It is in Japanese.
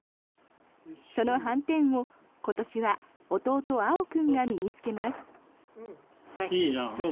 そのはんてんを今年は弟・蒼央君が身に着けます。